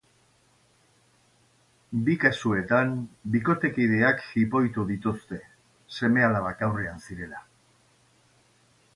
Bi kasuetan, bikotekideak jipoitu dituzte, seme-alabak aurrean zirela.